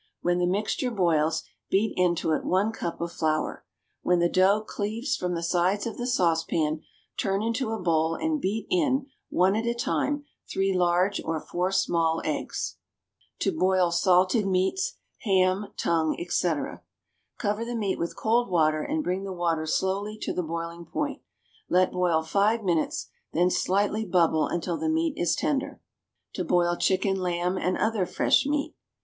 When the mixture boils, beat into it one cup of flour. When the dough cleaves from the sides of the saucepan, turn into a bowl and beat in, one at a time, three large or four small eggs. =To Boil Salted Meats: Ham, Tongue, Etc.= Cover the meat with cold water and bring the water slowly to the boiling point; let boil five minutes, then slightly bubble until the meat is tender. =To Boil Chicken, Lamb and Other Fresh Meat.